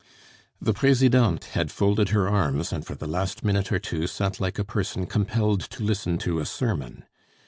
The Presidente had folded her arms, and for the last minute or two sat like a person compelled to listen to a sermon.